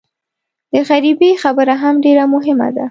د غریبۍ خبره هم ډېره مهمه ده.